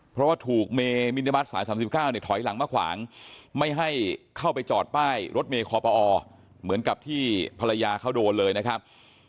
เพราะว่าถูกเมมินิบัตรสาย๓๙เนี่ยถอยหลังมาขวางไม่ให้เข้าไปจอดป้ายรถเมย์คอปอเหมือนกับที่ภรรยาเขาโดนเลยนะครับ